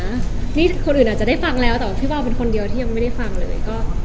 นี่คนอื่นอาจจะได้ฟังแล้วแต่ว่าพี่เบาเป็นคนเดียวที่ยังไม่ได้ฟังเลย